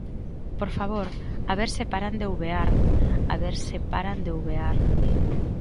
Por favor, a ver se paran de ouvear, a ver se paran de ouvear.